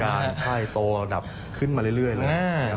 ประกอบการณ์ใช่โตดับขึ้นมาเรื่อยเลยนะครับ